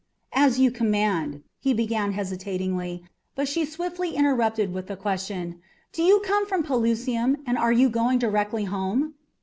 "As you command," he began hesitatingly; but she swiftly interrupted with the question, "Do you come from Pelusium, and are you going directly home?"